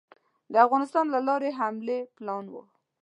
د افغانستان له لارې حملې پلان وو.